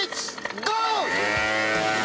ゴー。